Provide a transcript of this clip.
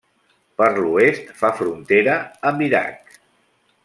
Per l'oest fa frontera amb Iraq.